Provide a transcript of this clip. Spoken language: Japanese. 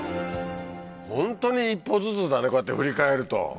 ホントに一歩ずつだねこうやって振り返ると。